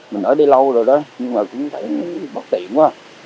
mình ở đây lâu rồi đó nhưng mà cũng thấy bất tiện quá